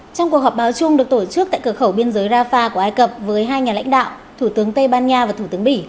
trong cuộc họp báo chung được tổ chức tại cửa khẩu biên giới rafah của ai cập với hai nhà lãnh đạo thủ tướng tây ban nha và thủ tướng bỉ